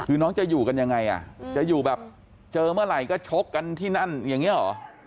คือน้องจะอยู่กันยังไงอ่ะจะอยู่แบบเจอเมื่อไหร่ก็ชกกันที่นั่นอย่างนี้เหรอ